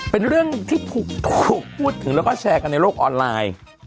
เป็นเรื่องที่ถูกพูดถึงแล้วก็แชร์กันในโลกออนไลน์